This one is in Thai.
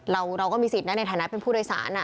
เราก็มีสิทธิ์ในฐานะเป็นผู้โดยสาร